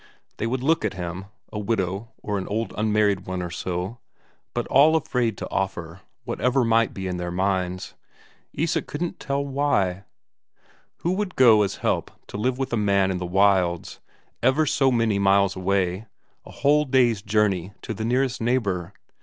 They would look at him, a widow or an old unmarried one or so, but all afraid to offer, whatever might be in their minds. Isak couldn't tell why. Couldn't tell why? Who would go as help to live with a man in the wilds, ever so many miles away a whole day's journey to the nearest neighbour?